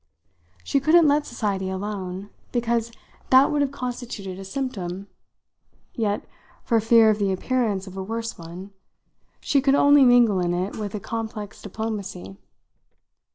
She couldn't let society alone, because that would have constituted a symptom; yet, for fear of the appearance of a worse one, she could only mingle in it with a complex diplomacy.